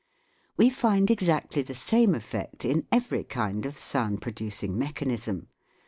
We find exactly the same effect in every kind of sound producing mechanism.